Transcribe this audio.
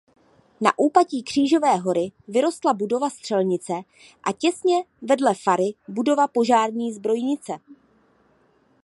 Na úpatí Křížové hory vyrostla budova Střelnice a těsně vedle fary budova požární zbrojnice.